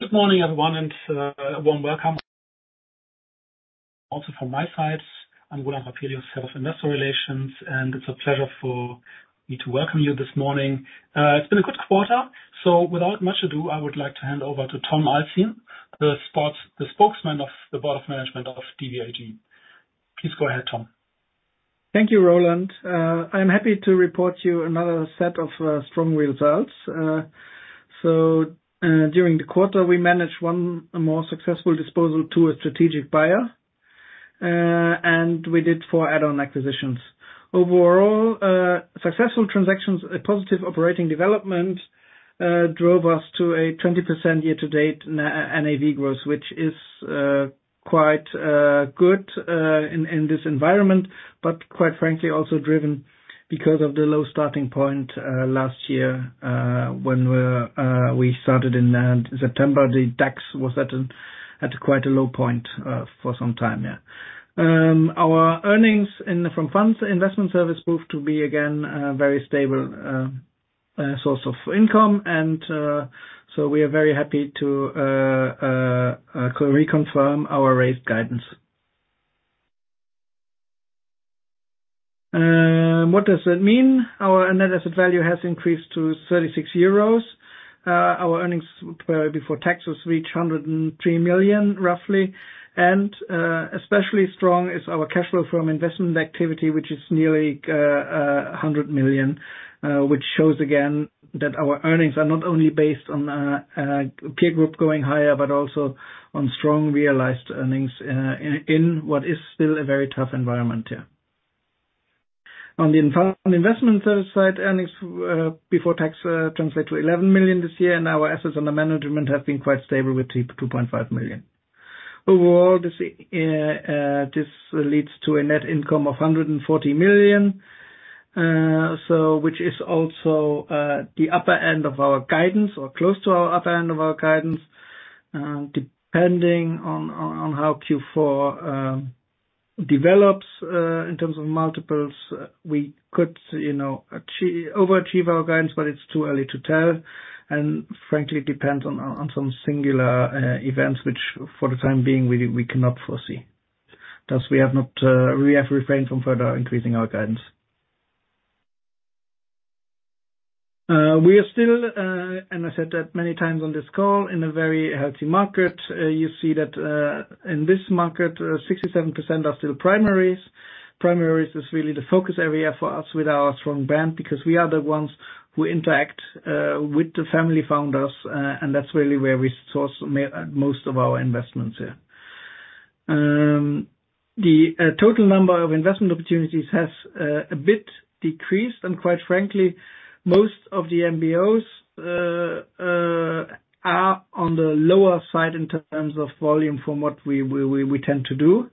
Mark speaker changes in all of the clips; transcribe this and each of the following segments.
Speaker 1: Good morning, everyone, and warm welcome also from my side. I'm Roland Rapelius, Head of Investor Relations, and it's a pleasure for me to welcome you this morning. It's been a good quarter. Without much ado, I would like to hand over to Tom Alzin, the Spokesman of the Board of Management of DBAG. Please go ahead, Tom.
Speaker 2: Thank you, Roland. I'm happy to report you another set of strong results. During the quarter, we managed one more successful disposal to a strategic buyer, and we did four add-on acquisitions. Overall, successful transactions, a positive operating development, drove us to a 20% year-to-date NAV growth, which is quite good in this environment, but quite frankly, also driven because of the low starting point last year, when we started in September. The DAX was at a quite a low point for some time, yeah. Our earnings from funds investment service proved to be, again, a very stable source of income. We are very happy to reconfirm our raised guidance. What does that mean? Our net asset value has increased to 36 euros. Our earnings before taxes reach 103 million, roughly. Especially strong is our cash flow from investment activity, which is nearly 100 million, which shows again that our earnings are not only based on peer group going higher, but also on strong realized earnings in what is still a very tough environment, yeah. On the investment service side, earnings before tax translate to 11 million this year, and our assets under management have been quite stable with 2.5 million. Overall, this leads to a net income of 140 million, which is also the upper end of our guidance or close to our upper end of our guidance. Depending on how Q4 develops in terms of multiples, we could, you know, overachieve our guidance, but it's too early to tell, and frankly, it depends on some singular events which for the time being, we cannot foresee. Thus, we have not, we have refrained from further increasing our guidance. We are still, and I said that many times on this call, in a very healthy market. You see that in this market, 67% are still primaries. Primaries is really the focus area for us with our strong brand because we are the ones who interact with the family founders, and that's really where we source most of our investments, yeah. The total number of investment opportunities has a bit decreased, and quite frankly, most of the MBOs are on the lower side in terms of volume from what we tend to do.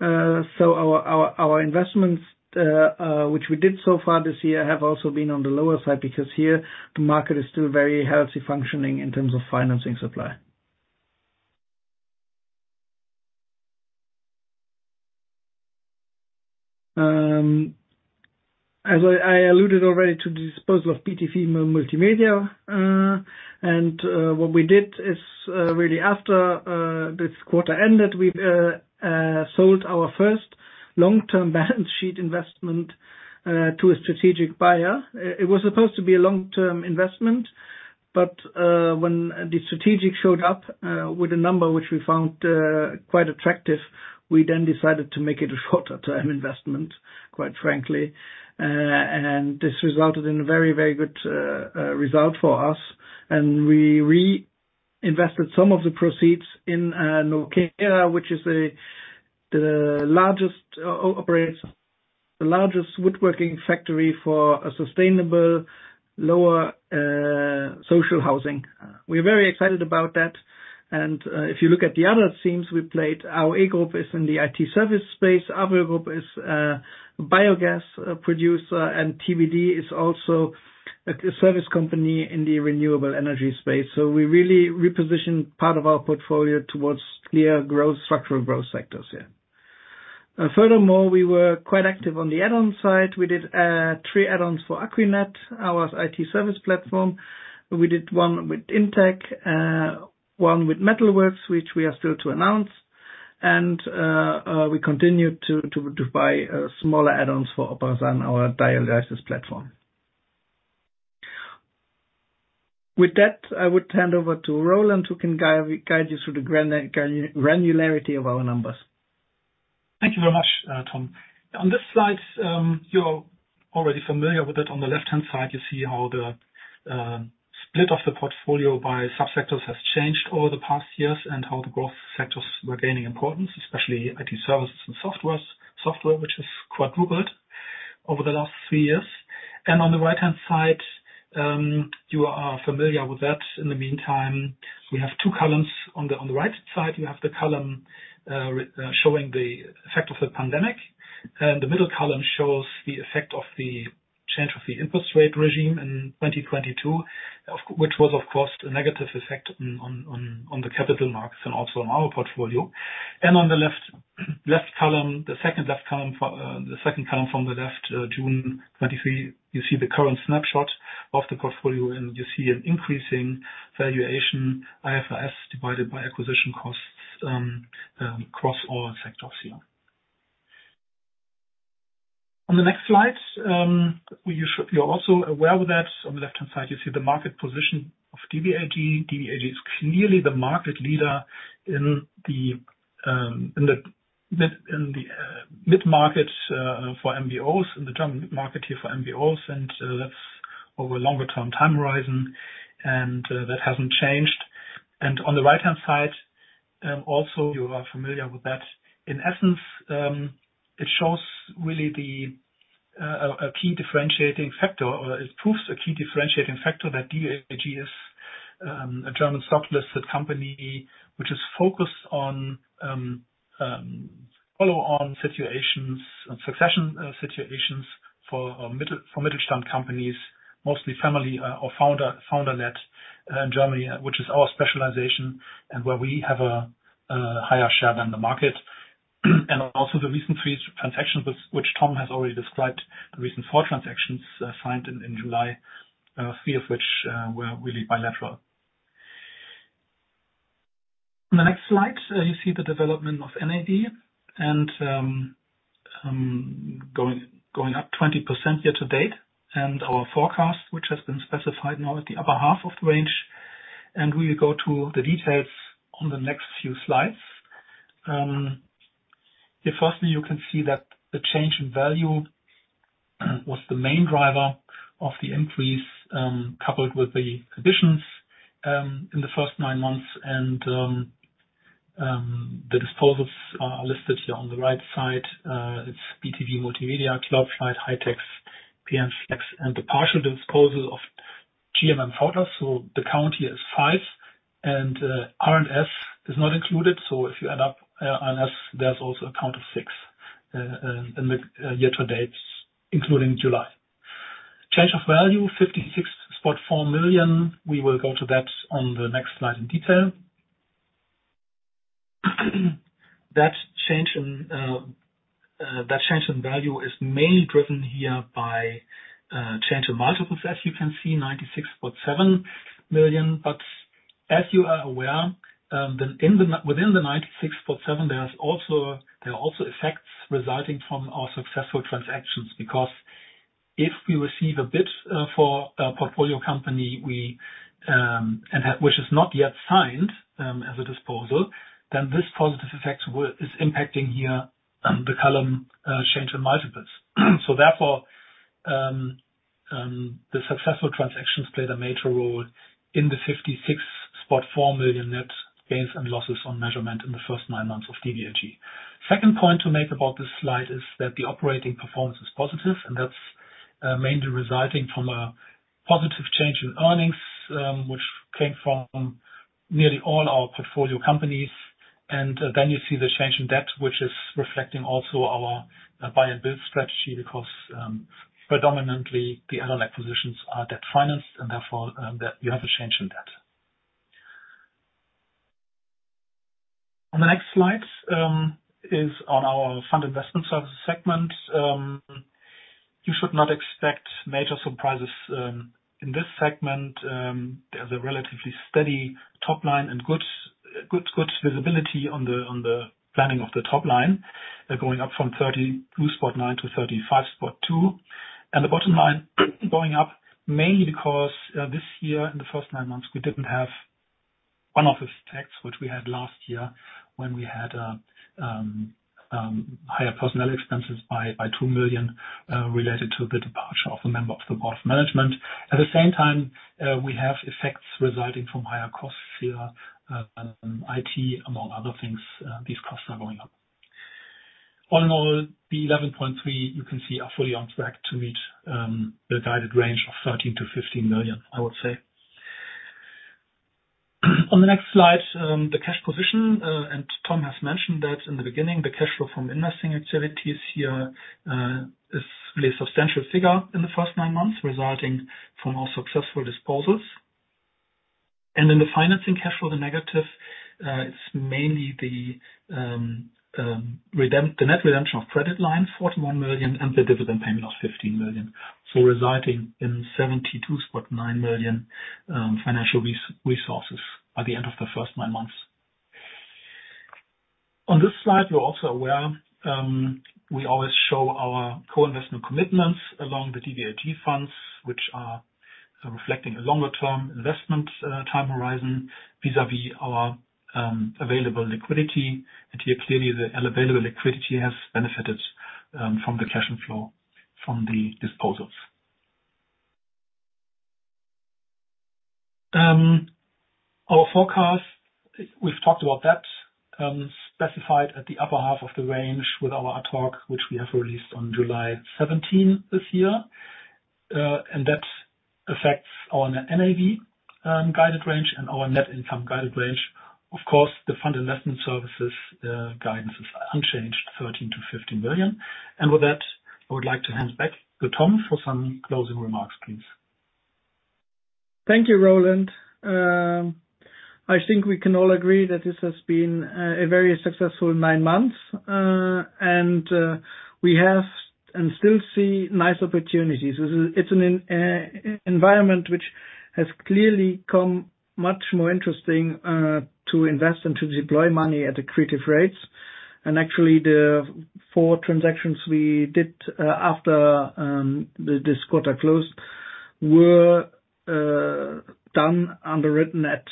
Speaker 2: Our investments which we did so far this year have also been on the lower side because here the market is still very healthy functioning in terms of financing supply. As I alluded already to the disposal of BTV Multimedia, and what we did is really after this quarter ended, we sold our first long-term balance sheet investment to a strategic buyer. It was supposed to be a long-term investment, but when the strategic showed up with a number which we found quite attractive, we then decided to make it a shorter term investment, quite frankly. This resulted in a very good result for us. We reinvested some of the proceeds in NOKERA, which is a, the largest operator, the largest woodworking factory for a sustainable lower social housing. We're very excited about that. If you look at the other themes we played, AOE Group is in the IT service space, Avrio is a biogas producer, and TVD is also a service company in the renewable energy space. We really repositioned part of our portfolio towards clear growth, structural growth sectors, yeah. Furthermore, we were quite active on the add-on side. We did three add-ons for akquinet, our IT service platform. We did one with in-tech, one with Metal Works, which we are still to announce. We continued to buy smaller add-ons for Operasan, our dialysis platform. With that, I would hand over to Roland Rapelius, who can guide you through the granularity of our numbers.
Speaker 1: Thank you very much, Tom. On this slide, you're already familiar with it. On the left-hand side, you see how the split of the portfolio by subsectors has changed over the past years and how the growth sectors were gaining importance, especially IT services and software, which has quadrupled over the last three years. On the right-hand side, you are familiar with that. In the meantime, we have two columns. On the right side, you have the column showing the effect of the pandemic. The middle column shows the effect of the change of the interest rate regime in 2022, which was, of course, a negative effect on the capital markets and also on our portfolio. On the left column, the second left column for the second column from the left, June 2023, you see the current snapshot of the portfolio, and you see an increasing valuation, IFRS divided by acquisition costs, across all sectors here. On the next slide, you're also aware that on the left-hand side you see the market position of DBAG. DBAG is clearly the market leader in the mid-market for MBOs, in the German market here for MBOs, that's over a longer-term time horizon, and that hasn't changed. On the right-hand side, also you are familiar with that. In essence, it shows really the a key differentiating factor or it proves a key differentiating factor that DBAG is a German stock-listed company which is focused on follow-on situations and succession situations for Mittelstand companies, mostly family or founder-led in Germany, which is our specialization and where we have a higher share than the market. Also the recent three transactions with which Tom has already described, the recent four transactions signed in July, three of which were really bilateral. On the next slide, you see the development of NAV and going up 20% year to date, and our forecast, which has been specified now at the upper half of the range. We will go to the details on the next few slides. Here firstly you can see that the change in value was the main driver of the increase, coupled with the acquisitions in the first nine months and the disposals are listed here on the right side. It's BTV Multimedia, Cloudflight, Heytex, PNX and the partial disposal of GMM Pfaudler. The count here is five and R+S is not included. If you add up R+S, there's also a count of six in the year to date, including July. Change of value, 56.4 million. We will go to that on the next slide in detail. That change in value is mainly driven here by change in multiples, as you can see, 96.7 million. As you are aware, within the 96.7, there are also effects resulting from our successful transactions because if we receive a bid for a portfolio company, we, which is not yet signed as a disposal, then this positive effect is impacting here the column change in multiples. Therefore, the successful transactions played a major role in the 56.4 million net gains and losses on measurement in the first nine months of DBAG. Second point to make about this slide is that the operating performance is positive, and that's mainly resulting from a positive change in earnings, which came from nearly all our portfolio companies. You see the change in debt, which is reflecting also our buy and build strategy because predominantly the other acquisitions are debt-financed and therefore that you have a change in debt. On the next slide is on our Fund Investment Services Segment. You should not expect major surprises in this segment. There's a relatively steady top line and good visibility on the planning of the top line. Going up from 32.9-35.2. The bottom line going up mainly because this year in the first nine months we didn't have one-off effects which we had last year when we had higher personnel expenses by 2 million related to the departure of a member of the Board of Management. At the same time, we have effects resulting from higher costs here, IT among other things, these costs are going up. All in all, the 11.3 million you can see are fully on track to meet the guided range of 13 million-15 million, I would say. On the next slide, the cash position, Tom Alzin has mentioned that in the beginning. The cash flow from investing activities here, is really a substantial figure in the first nine months, resulting from our successful disposals. The financing cash flow, the negative, it's mainly the net redemption of credit lines, 41 million, and the dividend payment of 15 million. Resulting in 72.9 million financial resources by the end of the first nine months. On this slide, you're also aware, we always show our co-investment commitments along the DBAG funds, which are reflecting a longer-term investment time horizon vis-à-vis our available liquidity. Here clearly the available liquidity has benefited from the cash flow from the disposals. Our forecast, we've talked about that, specified at the upper half of the range with our ad hoc, which we have released on July 17th this year. That affects our NAV guided range and our net income guided range. Of course, the Fund Investment Services guidance is unchanged, 13 billion-15 billion. With that, I would like to hand back to Tom for some closing remarks, please.
Speaker 2: Thank you, Roland. I think we can all agree that this has been a very successful nine months. We have and still see nice opportunities. It's an environment which has clearly come much more interesting to invest and to deploy money at accretive rates. Actually, the 4 transactions we did after this quarter closed were done underwritten at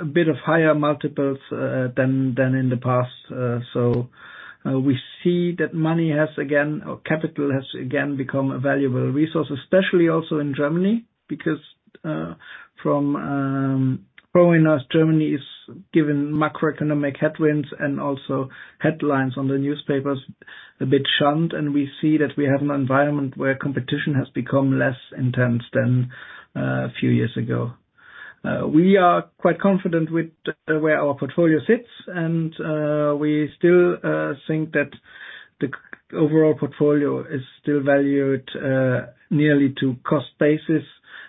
Speaker 2: a bit of higher multiples than in the past. We see that money has again, or capital has again become a valuable resource, especially also in Germany, because from growing as Germany is given macroeconomic headwinds and also headlines on the newspapers a bit shunned, and we see that we have an environment where competition has become less intense than a few years ago. We are quite confident with where our portfolio sits. We still think that the overall portfolio is still valued nearly to cost basis,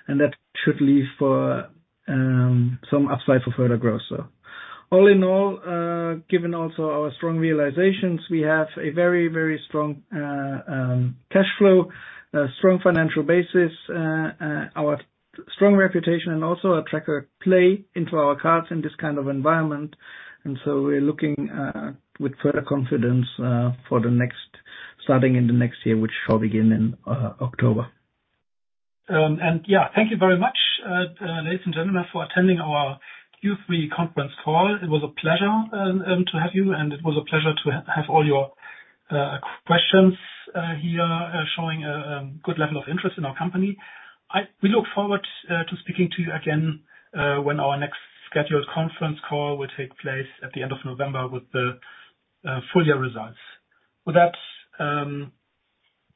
Speaker 2: and that should leave for some upside for further growth. All in all, given also our strong realizations, we have a very strong cash flow, a strong financial basis, our strong reputation and also a tracker play into our cards in this kind of environment. We're looking with further confidence for the next starting in the next year, which shall begin in October. Thank you very much, ladies and gentlemen, for attending our Q3 conference call. It was a pleasure to have you, and it was a pleasure to have all your questions here, showing a good level of interest in our company. We look forward to speaking to you again, when our next scheduled conference call will take place at the end of November with the full year results. With that,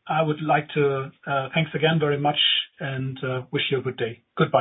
Speaker 2: I would like to thank again very much and wish you a good day. Goodbye.